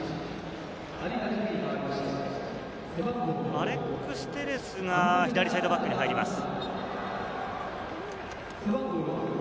アレックス・テレスが左サイドバックに入ります。